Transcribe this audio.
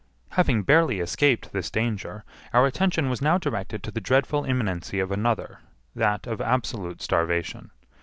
Having barely escaped this danger, our attention was now directed to the dreadful imminency of another—that of absolute starvation.